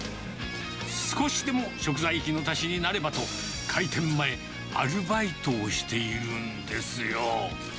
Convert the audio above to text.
少しでも食材費の足しになればと、開店前、アルバイトをしているんですよ。